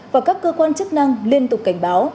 và các cơ quan chức năng liên tục cảnh báo